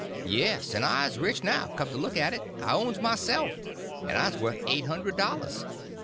"Yes; en I's rich now, come to look at it. I owns mysef, en I's wuth eight hund'd dollars.